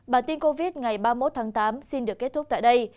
bản tin covid ngày ba mươi một tháng tám xin được kết thúc tại đây